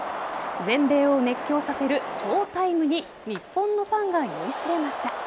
全米を熱狂させるショータイムに日本のファンが酔いしれました。